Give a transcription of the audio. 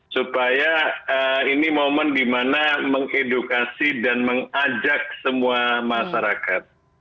supaya ini momen dimana mengedukasi dan mengajak semua masyarakat